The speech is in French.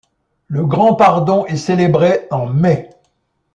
Le grand pardon est célébré en mai.